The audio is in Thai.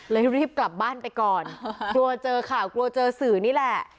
รีบกลับบ้านไปก่อนกลัวเจอข่าวกลัวเจอสื่อนี่แหละ